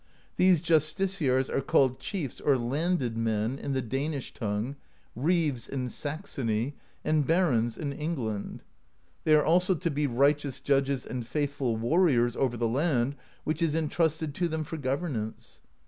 These justiciars are called chiefs or landed men in the Danish tongue, reeves in Saxony, and barons in England. They are also to be righteous judges and faith ful warriors over the land which is entrusted to them for governance.